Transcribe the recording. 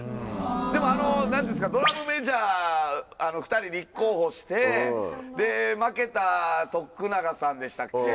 でもなんていうんですか、ドラムメジャー、２人立候補して、負けた徳永さんでしたっけ？